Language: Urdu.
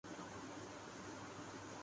سبزیاں بہت مہنگی ہوگئی ہیں